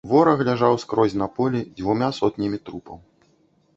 Вораг ляжаў скрозь на полі дзвюма сотнямі трупаў.